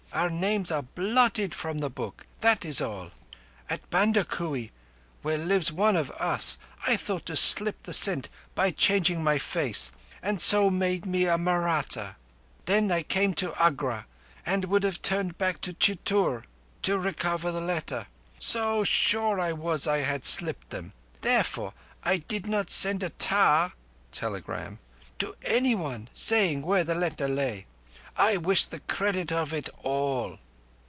Our names are blotted from the book. That is all. At Bandakui, where lives one of Us, I thought to slip the scent by changing my face, and so made me a Mahratta. Then I came to Agra, and would have turned back to Chitor to recover the letter. So sure I was I had slipped them. Therefore I did not send a tar [telegram] to any one saying where the letter lay. I wished the credit of it all."